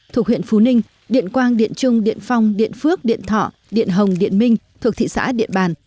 thuộc huyện phú ninh điện quang điện trung điện phong điện phước điện thọ điện hồng điện minh thuộc thị xã điện bàn